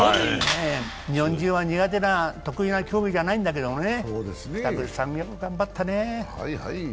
日本人は苦手な、得意な競技じゃないんだけどね。